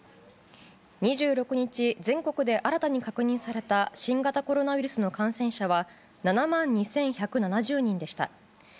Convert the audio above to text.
２６日、全国で新たに確認された新型コロナウイルスの感染者は７万２１７０人でした。